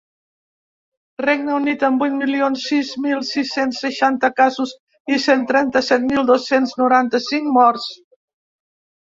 Regne Unit, amb vuit milions sis mil sis-cents seixanta casos i cent trenta-set mil dos-cents noranta-cinc morts.